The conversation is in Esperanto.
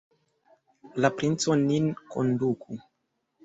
La princo nin konduku!